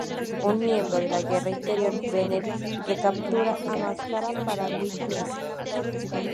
Un miembro de la Guardia Interior, Benedict, recaptura a Máscara para Whitney.